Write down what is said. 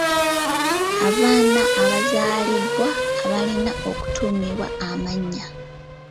Abaana abazaalibwa abalina okutuumibwa amannya.